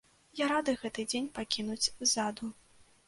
Я рады гэты дзень пакінуць ззаду.